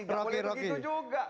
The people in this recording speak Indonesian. nggak boleh begitu juga